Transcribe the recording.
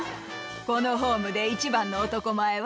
このホームで一番の男前は？